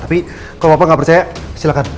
tapi kok bapak nggak percaya silakan